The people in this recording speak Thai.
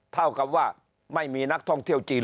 เท่ากับว่าไม่มีนักท่องเที่ยวจีน